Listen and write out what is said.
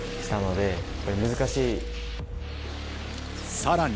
さらに。